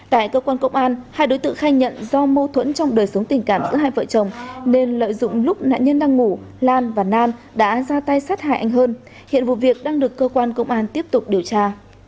tại cơ quan công an hai đối tượng khai nhận do mâu thuẫn trong đời sống tình cảm giữa hai vợ chồng nên lợi dụng lúc nạn nhân đang ngủ lan và nam đã ra tay sát hại anh hơn hiện vụ việc đang được cơ quan công an tiếp tục điều tra